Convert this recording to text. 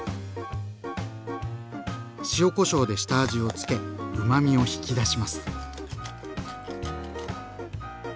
塩・こしょうで下味をつけうまみを引き出します。